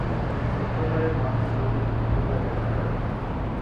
সত্যকারের মানুষ ছবিতে কি করিয়া দেখা যায়?